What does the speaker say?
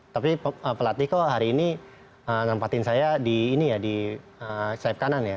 tapi pelatih kok hari ini menempatin saya di ini ya di safe kanan ya